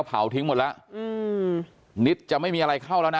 เผาทิ้งหมดแล้วอืมนิดจะไม่มีอะไรเข้าแล้วนะ